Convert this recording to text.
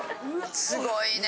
すごいね。